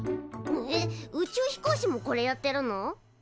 えっ宇宙飛行士もこれやってるの？